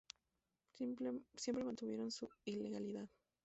Siempre mantuvieron su ilegalidad.